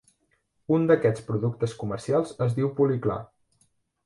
Un d'aquests productes comercials es diu Polyclar.